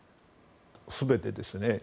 全てですね。